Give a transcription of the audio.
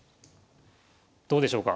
どうでしょうか？